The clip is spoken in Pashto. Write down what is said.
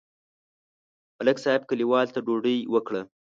ملک صاحب کلیوالو ته ډوډۍ وکړه.